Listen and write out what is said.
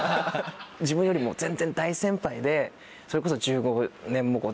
自分よりも全然大先輩でそれこそ。